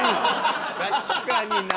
確かにな。